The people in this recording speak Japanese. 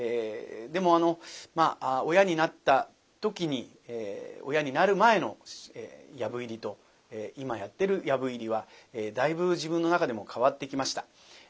でも親になった時に親になる前の「藪入り」と今やってる「藪入り」はだいぶ自分の中でも変わってきました。